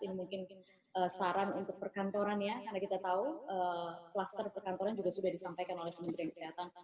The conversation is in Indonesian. ini mungkin saran untuk perkantoran ya karena kita tahu kluster perkantoran juga sudah disampaikan oleh kementerian kesehatan